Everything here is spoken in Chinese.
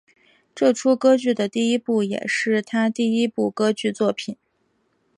这出歌剧的第一部也是他第一部歌剧作品。